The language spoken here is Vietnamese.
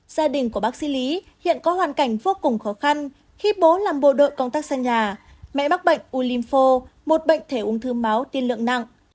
gia đình của bác sĩ lý hiện có hoàn cảnh vô cùng khó khăn khi bố làm bộ đội công tác sân nhà mẹ mắc bệnh ulimo một bệnh thể ung thư máu tiên lượng nặng